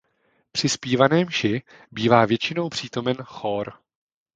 Při zpívané mši bývá většinou přítomen chór.